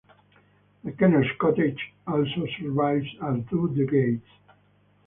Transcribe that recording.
The Kennels Cottage also survives as do the gates.